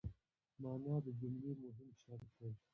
مانا د جملې مهم شرط دئ.